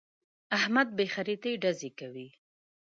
احمد بې خريطې ډزې کوي.